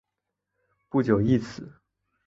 不久亦死。